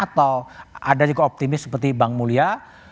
atau anda juga optimis seperti bang mulya